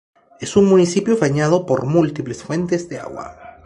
Es un municipio bañado por múltiples fuentes de agua.